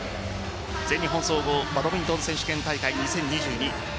全日本総合バドミントン選手権大会２０２２。